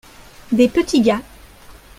des petits gars.